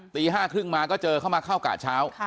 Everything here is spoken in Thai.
ตี๕๓๐มาก็เจอเข้ามาเข้ากะเช้า